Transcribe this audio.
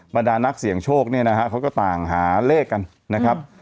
บรรดานักเสี่ยงโชคเนี่ยนะฮะเขาก็ต่างหาเลขกันนะครับ